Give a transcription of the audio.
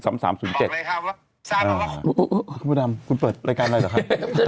คุณดำคุณเปิดรายการอะไรต่อไป